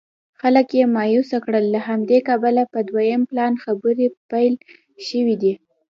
خلک یې مایوسه کړل له همدې کبله په دویم پلان خبرې پیل شوې دي.